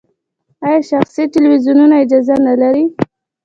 آیا شخصي تلویزیونونه اجازه نلري؟